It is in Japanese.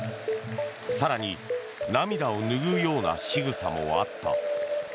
更に、涙を拭うようなしぐさもあった。